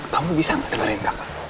kamu bisa gak dengerin kakak